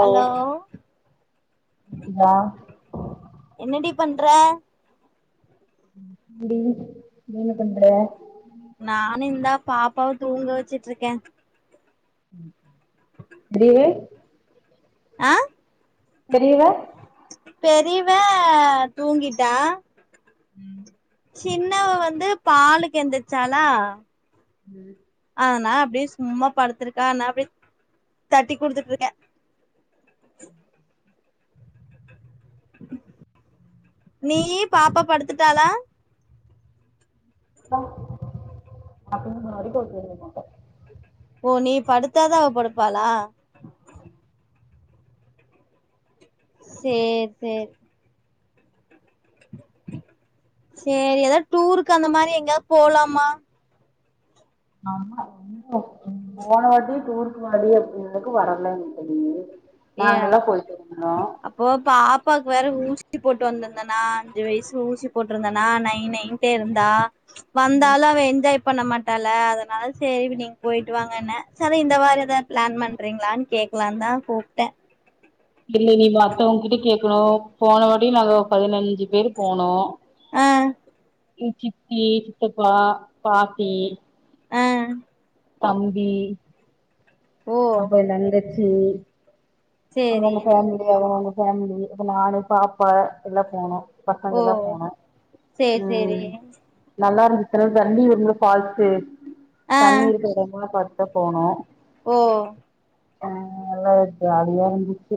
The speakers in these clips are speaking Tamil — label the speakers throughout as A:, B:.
A: ஹலோ
B: கேக்குதா
A: என்னடி பண்ற
B: [inaudible] நீ என்ன பண்ற
A: நானு இந்தா பாப்பாவ தூங்க வச்சுட்ருக்கே
B: ம் அடியே
A: ஆ
B: பெரியவ
A: பெரியவ தூங்கிட்டா
B: ம்
A: சின்னவ வந்து பாலுக்கு எந்திருச்சாலா
B: ம்
A: அதனால அப்டியே சும்மா படுத்துருக்க ஆனா அப்டியே தட்டிக் குடுத்துட்ருக்க [inaudible] நீயி பாப்பா படுத்துட்டாளா
B: நா தூங்குற வரைக்கு அவ தூங்கமாட்டா
A: ஓ நீ படுத்தாதா அவ படுப்பாளா சேரி சேரி சேரி ஏதாது டூருக்கு அந்த மாரி எங்கயாது போலாமா
B: ஆமா ரொம்ப போனவாட்டியே டூருக்கு வாடி அப்டின்னதுக்கு வரலன்ட்ட நீயி
A: ஏ அப் அப்போ பாப்பாக்கு வேற ஊ சி போட்டு வந்திருந்தேனா அஞ்சு வயசு ஊசி போட்ருந்தேனா நை நைன்ட்டே இருந்தா வந்தாலு அவ என்ஜாய் பண்ணமாட் டாளா அதனால சேரி நீங்க போயிட்டு வாங்கன்ன சரி இந்த வார ஏதாது பிளான் பண்றீங்களான்னு கேக்கலான்னுதா கூப் ட்ட
B: இல்ல நீ மத்தவங்கக்கிட்ட கேக்கணு போனவாட்டி நாங்க பதினஞ்சு பேர் போனோ
A: ஆ
B: எங் சித்தி சித்தப்பா பாட்டி
A: ஆ
B: தம்பி
A: ஓ
B: அப்பற ஏ தங்கச்சி
A: சேரி
B: அவுங்கவுங்க ஃபேமிலி அவுங்கவுங்க ஃபேமிலி அப்ப நானு பாப்பா எல்லா போனோ
A: ஓ
B: பசங்கள்லா போனோ
A: சேரி சேரி
B: ம் நல்லா இருந்துச்சு தண்ணி வரும்ல ஃபால்ஸு
A: ஆ
B: அதல்லா பாத்துதா போனோ
A: ஓ
B: ஆ நல்லா ஜாலியா இருந்துச்சு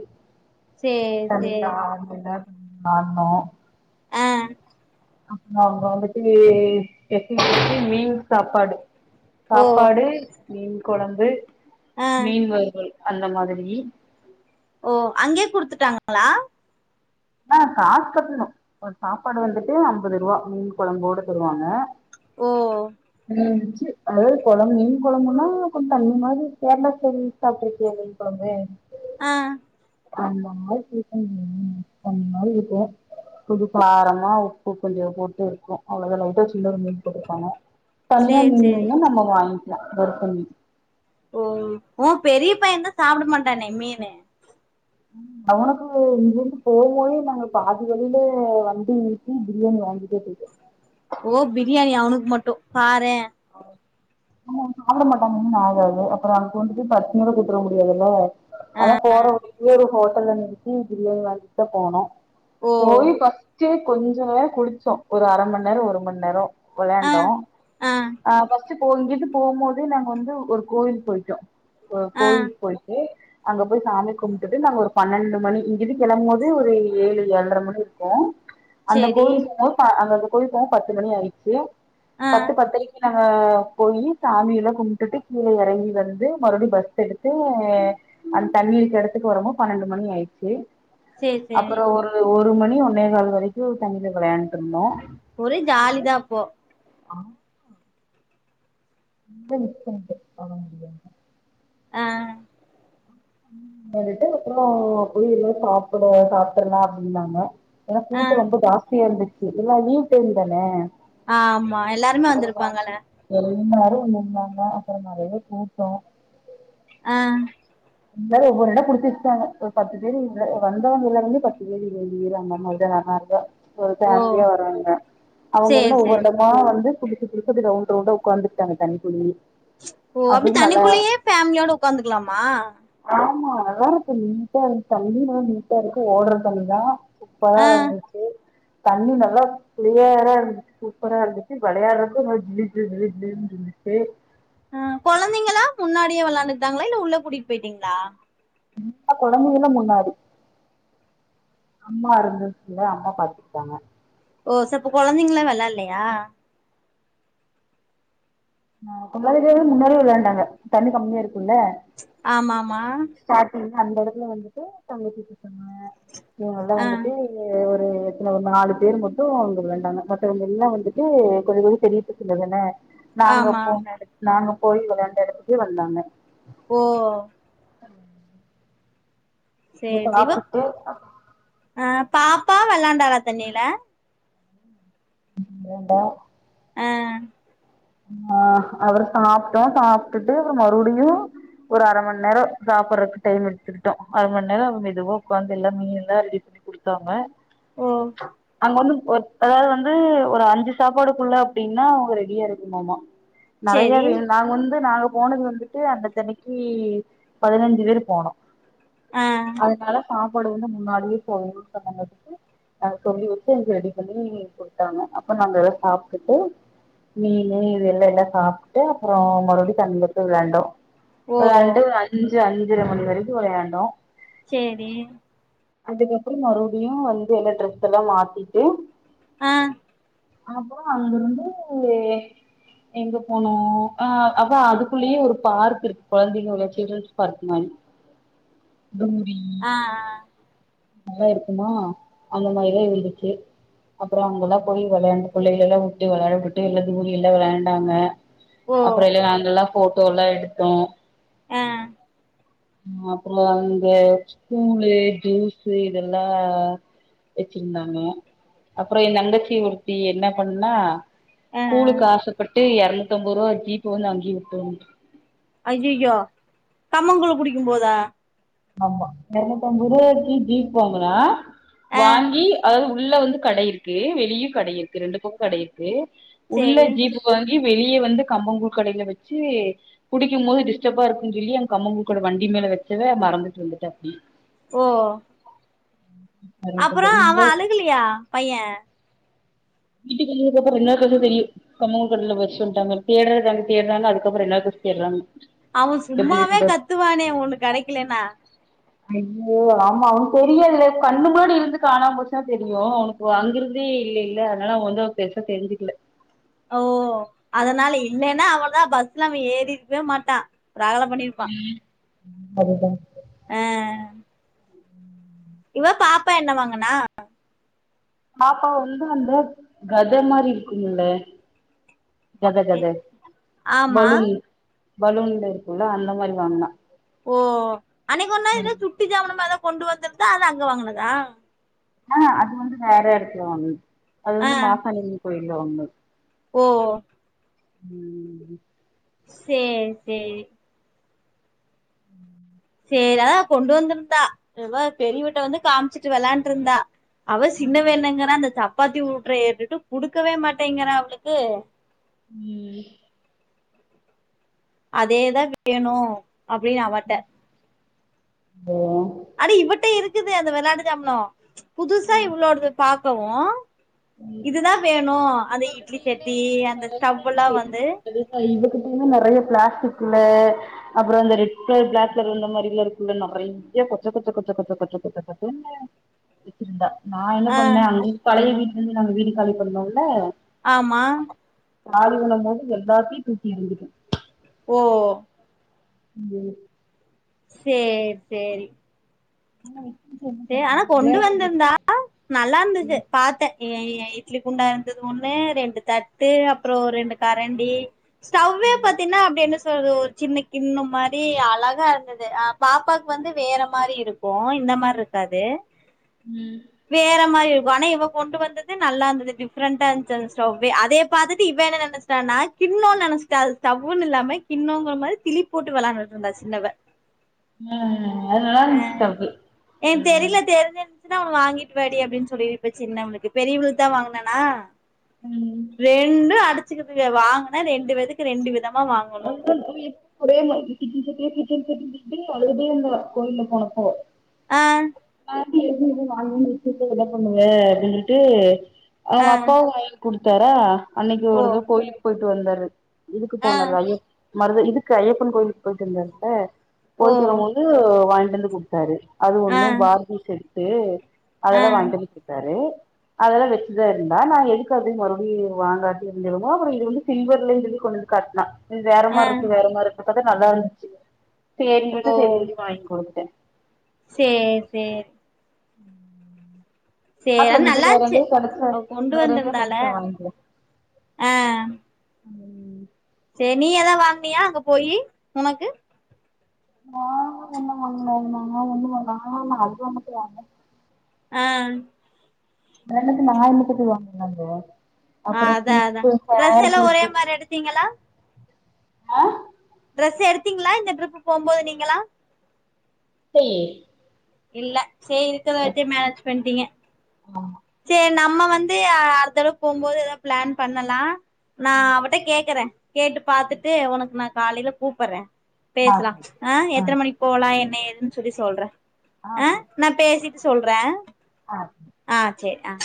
A: சேரி சேரி
B: [unintelligible]
A: ஆ
B: அங்க அவுங்க வந்துட்டு [unintelligible] மீன் சாப்பாடு
A: ஓ
B: சாப்பாடு மீன் கொழம்பு
A: ஆ
B: மீன் வறுவல் அந்த மாதிரி
A: ஓ அங்கயே குடுத்துட்டாங்களா
B: ஆ காசு கட்டணு ஒரு சாப்பாடு வந்துட்டு அம்பது ருவா மீன் கொழம்போட தருவாங்க
A: ஓ
B: அதாவுது கொழம்பு மீன் கொழம்புனா கொஞ்ச தண்ணி மாதிரி கேரளா ஸ்டைல் சாப்ட்ருக்யா மீன் கொழம்பு
A: ஆ
B: அந்த மாரி [unintelligible] அந்த மாரி இருக்கு கொஞ்ச காரமா உப்பு கொஞ்ச போட்டு இருக்கு அவ்ளதா லை ட்டா சின்ன ஒரு மீன் போட்ருப்பாங்க தனியா
A: சேரி
B: மீன்
A: சேரி
B: வேணுனா நம்ம வாங்க்லா வறுத்த மீன்
A: ஓ ஊ பெரிய பையந்தா சாப்ட மாட்டானே மீனு
B: அவனுக்கு இங்கிருந்து போகும்போதே நாங்க பாதி வழில வண்டி நிறுத்தி பிரியாணி வாங்கிட்டே போய்ட்டோ
A: பாறே
B: ஆ ஆமா அவ சாப்ட மாட்டா மீனு ஆகாது அப்புற அங்க கொண்டு போயி பசியோட கூட்டுர முடியாதுல
A: ஆ
B: ஆனா போற வழிலயே ஒரு ஹோட்டல்ல நிறுத்தி பிரியாணி வாங்கிட்டுதா போனோ
A: ஓ
B: போய் ஃபஸ்ட்டு கொஞ்ச நேர குளிச்சோ ஒரு அர மண் நேர ஒரு மண் நேர
A: ஆ
B: விளயாண்டோ
A: ஆ
B: ஃபஸ்டு போ இங்கிர்ந்து போம் போதே நாங்க வந்து ஒரு கோயிலுக் போய்ட்டோ
A: ஆ
B: கோவில் போய்ட்டு அங்க போய் சாமி கும்ட்டுட்டு நாங்க ஒரு பன்னெண்டு மணி இங்கிர்ந்து கெளம்பும்போது ஒரு ஏழு ஏழ்ற மணி இருக்கு அந்த
A: சேரி
B: கோவில் சொன்ன ப்ப அந்த கோவில்க்கு போம்போது பத்து மணி ஆயிடுச்சு
A: ஆ
B: பத்து பத்தரை அ போயி சாமியலா கும்ட்டுட்டு கீழ எறங்கி வந்து மறுபடியு பஸ் எடுத்து அந்த தண்ணி இருக்க எடத்துக்கு வரமோ பன்னெண்டு மணி ஆயிர்ச்சு
A: சேரி சேரி
B: அப்புற ஒரு ஒரு மணி ஒன்னே கால் வரைக்கு தண்ணில வெளையாண்ட்டு இருந்தோ
A: ஒரே ஜாலி தா அப்போ
B: ஆஹ நீ தா மிஸ் பண்ணிட்ட போக முடியாம
A: ஆ
B: வெளயாண்டுட்டு அப்ற போய் எதோ சாப்படு சாப்ட்ரலா அப்டினாங்க ஏனா
A: ஆ
B: கூட்ட ரொம்ப ஜாஸ்தியா இருந்துச்சு எல்லா லீவ் டைம் தான
A: ஆ ஆமா எல்லாருமே வந்திருப்பாங்கள
B: எல்லாரு வந்துருந்தாங்க அப்பற நறைய கூட்ட
A: ஆ
B: எல்லாரு ஒவ்வொரு எட புடிச்சு வச்சுட்டாங்க ஒரு பத்து பேரு இருவ வந்தவங்கள வந்து பத்து பேரு இருவது பேரு அந்த மாதிரி தா அந்த மார்தா ஒரு
A: ஓ
B: ஃபேமிலியா வரவங்க
A: சேரி
B: அவுங்கெல்லா ஒவ்வொரு
A: சேரி
B: எடமா வந்து புடிச்டாங் புடிச்சுட்டு ரௌண்ட் ரௌண்டா உக்காந்துக்டாங்க தண்ணிக்குள்ளயே
A: ஓ அப்பிடி தண்ணிக்குள்ளயே ஃபேமிலியோட உக்காந்துக்லாமா
B: ஆமா நல்லாருக்கு நீட்டா இருக்கு தண்ணி எல்லா நீட்டா இருக்கு ஓடற தண்ணிதா
A: ஆ
B: சூப்பரா இருந்துச்சு தண்ணி நல்லா க்ளியரா இருந்துச் சூப்பரா இருந்துச்சு வெளையாடறக்கு நல்லா ஜிலு ஜிலு ஜிலு ஜிலுன் இருந் ச்சு
A: அ கொழந்தைங்களா முன்னாடியே வெளையாண்டுக்டாங்ளா இல்ல உள்ள கூட்டிட்டு போய்ட்டிங்ளா
B: ல்ல கொழந்தைங்லா முன்னாடி அம்மா இருந்துச்சுல்ல அம்மா பாத்துக்டாங்க
A: ஓ சப்ப கொழந்தைங்ளா வெளாடலியா
B: ஆ கொழந்தைகள்லா முன்னாடி வெளையாண்டாங்க தண்ணி கமியா இருக்
A: ஆமாமா
B: ஸ்டார்டிங்ல அந்த எடத்துல வந்துட்டு தம்பிகிட்ட சொன்ன இவங்களல்லா
A: ஆ
B: வந்துட்டு து எத்தன ஒரு நாலு பேர் மட்டு அங்க வேண்டாங்க மத்தவங்க எல்லா வந்துட்டு கொஞ்சோ கொஞ்சோ தெரியட்டு சொல்லன்ன நாங்க
A: ஆமா
B: போண எடத் நாங்க போய் வெளையாண்டு எடத்துக்கு வந்தாங்க
A: ஓ
B: இப்ப [unintelligible]
A: அ பாப்பா வெள்ளாண்டாளா தண்ணில
B: வேண்டா
A: அ
B: அஆ அப்றோ சாப்ட்டோ சாப்பிட்டுட்டு ஒரு மறுபடிலியு ஒரு அர மணி நேரோ சாப்பறத்துக்கு டைமெடுத்துக்கிட்டோ அர மணி நேரோ அவுங்க மெதுவா உட்காந்து எல்ல மீனல்லா ரெடிப் பண்ணி குடுத்தாங்க
A: ஓ
B: அங்க வந்து ஒருத் அதாவது வந்து ஒரு அஞ்சு சாப்பாடுக்குள்ள அப்பிடின்னா அவங்க ரெடியா இருக்குமாம்மா நறைய
A: சேரி
B: வேண் நாங்க வந்து நாங்க போனது வந்துட்டு அந்த தனிக்கி பதினஞ்சு பேர் போனோ
A: ஆ
B: அதனால சாப்பாடு வந்து முன்னாடியே போதுன்னு சொன்னவங்களுக்கு நாங்க சொல்லி வெச்சுக்கு எங்களுக்கு ரெடி பண்ணி குடுத்தாங்க அப்போ நாங்க சாப்ட்டுட்டு மீன் இது எல்லெல்லா சாப்ட்டு அப்புறோ மறுபடியு தண்ணி வந்து வெளண்டோ
A: ஓ
B: வெளாண்டு ஒரு அஞ்சு அஞ்சரை மணி வரைக்கு வெளாண்டோ
A: சேரி
B: அதுக்கப்புறோ மறுபடியு வந்து என்ன டிரஸல்லா மாத்திட்டு
A: ஆ
B: அப்றோ அங்கிருந்து எங்க போனோ ஆ அதா அதுக்குள்ளேயு ஒரு பார்க் இருக்கு கொழந்தைங்க உள்ள சில்ட்ரன்ஸ் பார்க் மாதிரி
A: [inaudible]
B: டவுரி
A: ஆ ஆ
B: நல்லா இருக்குமா அந்த மாதிரிதா இருந்துச்சு அப்புறோ அங்கெல்லா போயி வெளையாண்டு புள்ளைகளெல்லா உட்டு வெளையாட உட்டு எல்லா தூங்கி எல்லா வெளையாண்டாங்க
A: ஓ
B: அப்புறோ எல்லா நாங்கள்லா போட்டோல்லா எடுத்தோ
A: அ
B: அப்புறோ அந்த ஸ்கூலு ஜூஸு இதெல்லா வெச்சிருந்தாங்க அப்புறோ எ தங்கச்சி ஒருத்தி என்ன பண்ணா
A: ஆ
B: கூலுக்கு ஆசப்பட்டு இரநூத்தி அம்பது ரூபா ஜீப்ப வந்து அங்கே உட்டு வந்த்
A: அய்யயோ கம்மங்கூழு குடிக்கும் போதா
B: ஆமா இரநூத்தி ஐம்பது ரூபா ஜுப் ஜுப்பு வாங்கனா
A: ஆ
B: வாங்கி அது உள்ள வந்து கடை இருக்கு வெளியு கடை இருக்கு ரெண்டு பக்கோ கடை இருக்கு உள்ள
A: சேரி
B: ஜீப்புக்கு வாங்கி வெளியே வந்து கம்பங்கூல் கடையில வெச்சு குடிக்கும் போது டிஸ்டர்பா இருக்குன்னு சொல்லி அங்க கம்பங்கூல் கட வண்டி மேல வெச்சவ மறந்துட்டு வந்துட்டா அப்டி
A: அப்புறோ
B: எரநூத்தம்பது
A: அவ
B: இங்க
A: அழுகலையா பையே
B: வீட்டுக்கு வந்ததுக்கப்பறோ ரெண்ட் நாள் கழிச்சு தா தெரியு கமங்கடையில வச்சுட்டு வந்ட்டா தேடறாங்க தேடறாங்க அதுக்கப்புறோ என்னச் தேட்றாங்க
A: அவ
B: எப்டி
A: சும்மாவே
B: இருக்குன்டு
A: கத்துவானே ஒண்ணு கடைக்கலன்னா
B: ஐயோ ஆமா அவனுக்கு தெரியாதுல கண்ணு முன்னாடி இருந்து காணாம போச்சா தெரியு அவனுக்கு அங்கறந்தே இல்லை ல அதனால அவ வந்து அவ பெருசா தெரிஞ்சுக்கல
A: ஓ அதனால இல்லைன்னா அவ்ளோதா பஸ்ல அவ ஏறிருக்கவே மாட்டா ரகல பண்ணிருப்பா
B: ம் அதுதா
A: அ இவ பாப்பா என்ன வாங்கனா
B: பாப்பா வந்து அந்த கத மாரி இருக்குமுல்ல கத கத
A: ஆமா
B: பலூன் பலூன்ல இருக்குல்ல அந்த மாரி வாங்னா
A: ஓ அன்னைக் ஒர் நா இதோ சுட்டி ஜாமனுமா எதோ கொண்டு வந்துற்தா அத அங்க வாங்கனதா
B: அ அது வந்து வேற எடத்ல வாங்னத் அது
A: ஆ
B: வந்து மாசானிம்மி கோயில்ல வாங்னது
A: ஓ
B: உம்
A: சேர் சேரி சேரி அதா கொண்டு வந்துர்ந்தா எவ பெரியவிட்ட வந்து காம்ச்சுட்டு வெளான்ட்ருந்தா அவ சின்னவ என்னங்குறா அந்த சப்பாத்தி ஊட்ற ஏர்டுடு குடுக்கவே மாட்டேங்கிறா அவ்ளுக்கு
B: உம்
A: அதேதா வேணு அப்டின் அவாட்ட
B: உஹம்
A: அடி இவட்ட இருக்குது அந்த வெளாட்டு ஜாம்னொ புதுசா இவ்ளோட்து பாக்கவு இதுதா வேணு அந்த இட்லி சட்டி அந்த ஸ்டவ்வலா வந்து
B: இன்னு நறைய ப்ளாஸ்டிக்ல அப்ற இந்த ரெட் க்லர் ப்ளாக் க்லர் இந்த மாரில இருக்குல்ல நறைய்ய கொச்ச கொச்ச கொச்ச கொச்ச கொச்ச கொச்ச கொச்சன்னு வெச்சிருந்தா நா என்ன
A: ஆ
B: பண்ணே அங்கி பலைய வீட்லேந்து நாங்க வீடு காலி பண்ணேல்ல
A: ஆமா
B: காலி வன்னம்மோது எல்லாத்யு தூக்கி எரிந்துட்ட
A: ஒ ஒ
B: உம்
A: சேர் சேரி
B: உம்
A: சே அனா கொண்டு வந்துர்ந்தா நல்லார்ந்துது பாத்த ஏஐ ஐ இட்லி குண்டா இருந்தது ஒன்னு ரெண்டு தட்டு அப்ரொ ரெண்டு கரண்டி ஸடவ்வே பத்தீன்னா அப்டி என்னஸ் [unintelligible] ஒரு சின்ன கின்னு மாரி அலகா இருந்துது பாப்பாக் வந்து வேற மாரி இருக்கு இந்த மார்ரு கது
B: ம்
A: வேற மாயு வன இவ கொண்டு வந்தது நல்லாந்துது டிஃப்ரண்டா இஞ்சு அந்த ஸ்டவ்வே அதே பாத்துட்டு இவ்வ நெனச்ட்டானா கின்னோ நெனச்சிட்டா அது தவ்வுன் இல்லாம கின்னோங்குற மரி திளி போட்டு வெளாண்டுட்டு இருந்தா சின்னவ
B: அது நல்லார்ந்து ஸ்டவ்வு
A: ஏ தெரில தெருஞ்ச கென்ச்சுனா ஒனு வாங்கிட்வாடி அப்டின் சொல்லி இப்ப சின்னவ்ளுக்கு பெரியுவ்ளுக்குதா வாங்னனா
B: ம்
A: ரெண்டு அடிச்சுக்குதுக வாங்குனா ரெண்டு வெதுக்கு ரெண்டு விதம்
B: [unintelligible] [unintelligible] அழுதுட்டேர்ந்தா கோயில்ல போனப்போ
A: அ
B: [inaudible] என்ன பண்ணுவ அப்டின்னுட்டு அவுங்க
A: ஆ
B: அப்பாவு வயில் குடுத்தாரா அன்னக்கி
A: ஓ
B: ஒருதொ கோய்லுக் போய்ட்டு வந்தாரு இதுக்கு
A: ஆ
B: போனர் ஐயப் மருத இதுக்கு ஐயப்பன் கோய்லுக்கு போயிட்டு வந்தார்ப்ப
A: ஓ
B: போயிட் வரமோது வாய்ன்ட் வந்து குட்த்தாரு அது
A: ஆ
B: ஒன்னு கி செட்டு
A: ஆ
B: அதல்லா வாய்ன்ட்டந் குத்தாரு அதல்லா வெச்சுதா இருந்தா நான எதுக்கு அதி மறுவ்டி வாங்காட்டி இருந்தெகமோ அப்பற இது வந்து சில்வர்லே இது கொண்டுந் காட்னா இது வேற
A: ஆ
B: மார்ருக்கு வேற மாருக் பத்தத நல்லார்ந்துச்சு சேரி விடு சேரி விடு வாங் கொடுத்தே
A: சேர் சேர்
B: உம்
A: சே அ நல்லான்ச்சு
B: கெடச்சா
A: அவ் கொண்டு
B: வேற எங்கயோ
A: வந்துர்ந்தால
B: கெடச்சா வாங்கிக்கிறே
A: அ
B: ம்
A: சேர் நீ எதா வாங்னியா அங்க போயி உனக்கு
B: நா அங்க ஒன்னு வாங்ல அங்க [inaudible]
A: ஆ
B: [unintelligible] வாங்க போ
A: ஆ
B: அப்புறம்
A: அதா அதா
B: கிப்பு
A: ட்ரெஸ் எல்லா ஒரே மாரி எடுத்தீங்களா
B: ஹ
A: எடுத்தீங்களா இந்த டிரிப் போம்போது நீங்களா
B: சே
A: இல்ல இருக்கறத வச்ச மேனேஜ் பண்ணிட்டீங்க சரி நம்ம வந்து அடுத்தவ போகும்போது ஏதோ பிளான் பண்ணலா நான் அவர்ட கேக்குறே கேட்டு பாத்துட்டு உனக்கு நான் காலையில கூப்பிடறே பேசலா ஆ எத்தனை மணிக்கு போலா என்ன ஏதுன்னு சொல்லி சொல்றே
B: ஆ சரி
A: நா பேசிட்டு சொல்றே
B: ஆ
A: சரி அ